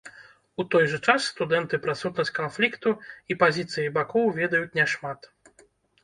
У той жа час студэнты пра сутнасць канфлікту і пазіцыі бакоў ведаюць няшмат.